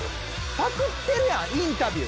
パクッてるやんインタビュー。